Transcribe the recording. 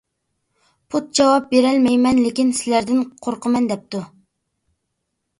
پوپ: «جاۋاب بېرەلەيمەن، لېكىن سىلەردىن قورقىمەن» دەپتۇ.